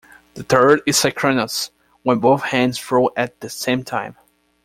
The third is synchronous, when both hands throw at the same time.